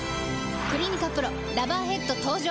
「クリニカＰＲＯラバーヘッド」登場！